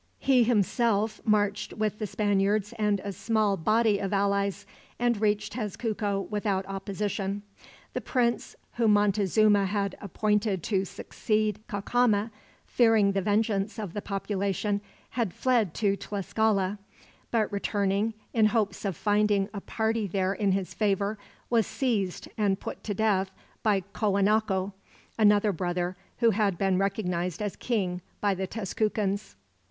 He himself marched with the Spaniards and a small body of allies, and reached Tezcuco without opposition. The prince whom Montezuma had appointed to succeed Cacama, fearing the vengeance of the population, had fled to Tlascala; but returning, in hopes of finding a party there in his favor, was seized and put to death by Coanaco, another brother, who had been recognized as king by the Tezcucans.